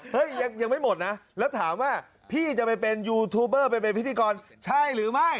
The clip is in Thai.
ยังไม่หมดนะแล้วถามว่าพี่จะไปเป็นยูทูบเบอร์ไปเป็นพิธีกรใช่หรือไม่